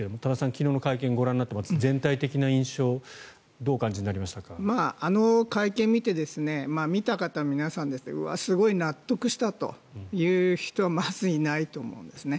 昨日の会見をご覧になってまず全体的な印象をあの会見を見て見た方皆さんうわ、すごい納得したという人まずいないと思いますね。